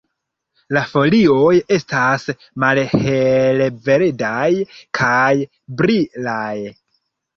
La folioj estas malhelverdaj kaj brilaj.